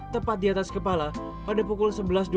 tepat di atas kepala pada pukul sebelas dua puluh